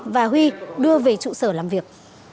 và huy đưa về trụ sở làm việc